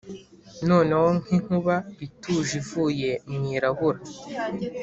noneho nkinkuba ituje ivuye mwirabura